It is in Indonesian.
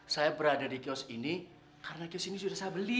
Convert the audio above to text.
saya berada di kios ini karena kios ini sudah saya beli